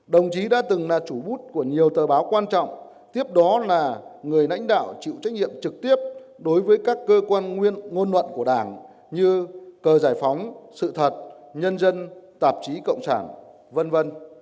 đồng chí đã từng là chủ bút của nhiều tờ báo quan trọng tiếp đó là người lãnh đạo chịu trách nhiệm trực tiếp đối với các cơ quan ngôn luận của đảng như cờ giải phóng sự thật nhân dân tạp chí cộng sản v v